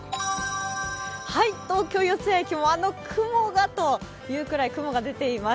東京・四ツ谷駅も、あの雲がというぐらい、雲が出ています。